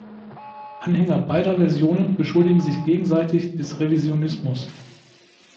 Anhänger beider Versionen beschuldigen sich gegenseitig des Revisionismus.